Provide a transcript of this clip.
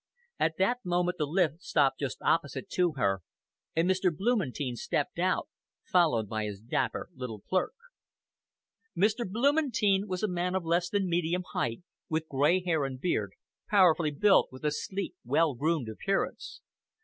At that moment the lift stopped just opposite to her, and Mr. Blumentein stepped out, followed by his dapper little clerk. Mr. Blumentein was a man of less than medium height, with grey hair and beard, powerfully built and with a sleek, well groomed appearance.